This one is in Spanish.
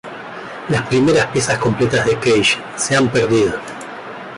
Las primeras piezas completas de Cage se han perdido.